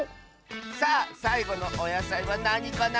さあさいごのおやさいはなにかな？